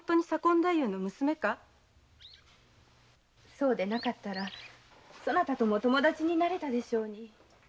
そうでなかったらそなたとも友だちになれたでしょうに。